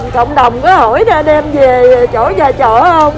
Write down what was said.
cộng đồng có hỏi ra đem về chỗ ra chỗ không